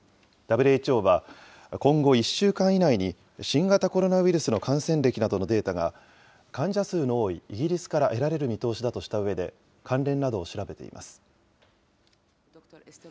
ＷＨＯは、今後１週間以内に新型コロナウイルスの感染歴などのデータが、患者数の多いイギリスから得られる見通しだとしたうえで、関連などを調べています。